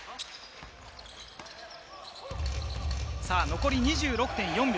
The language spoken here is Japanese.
残り２６．４秒。